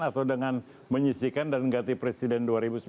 atau dengan menyisikan dan mengganti presiden dua ribu sembilan belas